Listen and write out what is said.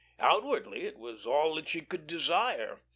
Outwardly it was all that she could desire.